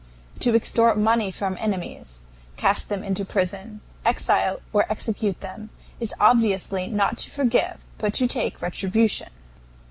To extort money from enemies, cast them into prison, exile or execute them, is obviously not to forgive but to take retribution.